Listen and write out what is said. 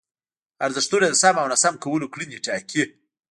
ارزښتونه د سم او ناسم کولو کړنې ټاکي.